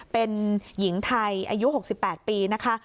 เป็นหญิงไทยอายุ๖๘ปีนะคะ